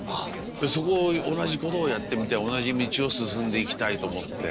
そこ同じことをやってみて同じ道を進んでいきたいと思って。